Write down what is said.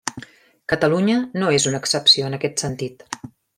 Catalunya no és una excepció en aquest sentit.